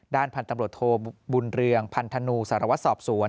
พันธุ์ตำรวจโทบุญเรืองพันธนูสารวัตรสอบสวน